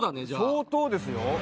相当ですよ。